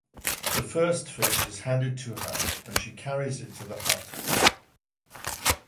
The first fish is handed to her, and she carries it to the hut.